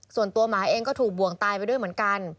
ส่วนตัวหมาเองก็ถูกบวงตายไปด้วยเหมือนกัน